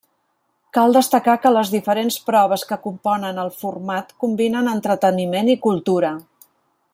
Cal destacar que les diferents proves que componen el format combinen entreteniment i cultura.